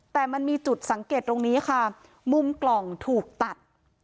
แต่มันมีจุดสังเกตตรงนี้ค่ะมุมกล่องถูกตัด